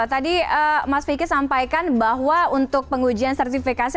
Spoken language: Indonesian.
tadi mas vicky sampaikan bahwa untuk pengujian sertifikasi